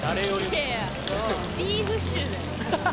いやいやビーフシチューだよ。